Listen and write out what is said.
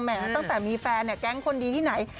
ตั้งแต่มีแฟนเนี่ยแก๊งคนดีที่ไหน